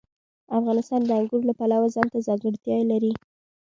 افغانستان د انګور د پلوه ځانته ځانګړتیا لري.